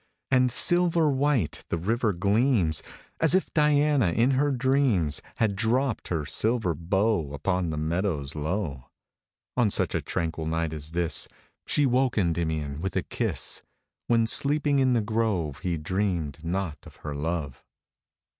5 And silver white the river gleams, As if Diana, in her dreams, • Had dropt her silver bow Upon the meadows low. On such a tranquil night as this, io She woke Kndymion with a kis^, When, sleeping in tin grove, He dreamed not of her love.